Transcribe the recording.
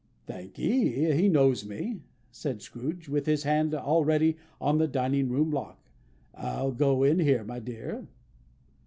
"Thank'ee. He knows me," said Scrooge, with his hand already on the dining room lock. "I'll go in here, my dear."